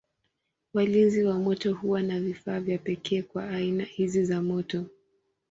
Walinzi wa moto huwa na vifaa vya pekee kwa aina hizi za moto.